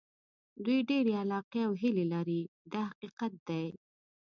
دوی ډېرې علاقې او هیلې لري دا حقیقت دی.